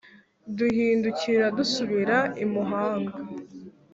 duhindukira dusubira i muhanga